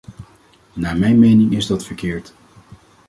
Naar mijn mening is dat verkeerd.